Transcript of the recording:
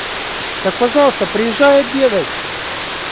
Так, пожалуйста, приезжай обедать.